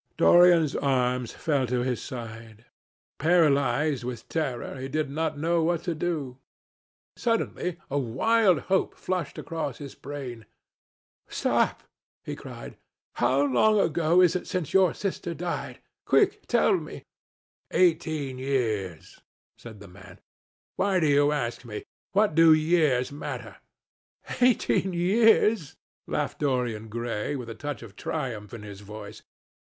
Dorian's arms fell to his side. Paralysed with terror, he did not know what to do. Suddenly a wild hope flashed across his brain. "Stop," he cried. "How long ago is it since your sister died? Quick, tell me!" "Eighteen years," said the man. "Why do you ask me? What do years matter?" "Eighteen years," laughed Dorian Gray, with a touch of triumph in his voice.